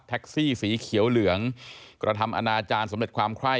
สีเขียวเหลืองกระทำอนาจารย์สำเร็จความไคร้